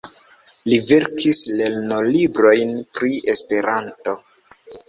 Li verkis lernolibrojn pri Esperanto.